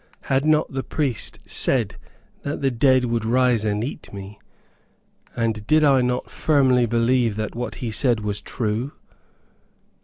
Had not the priest said that the dead would rise and eat me? And did I not firmly believe that what he said was true?